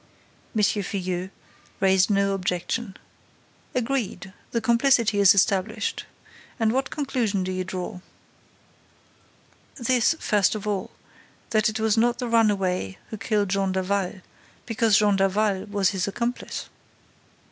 M. Filleul raised no objection. "Agreed. The complicity is established. And what conclusion do you draw?" "This, first of all, that it was not the runaway who killed Jean Daval, because Jean Daval was his accomplice."